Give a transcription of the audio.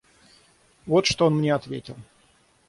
Вот что он мне ответил.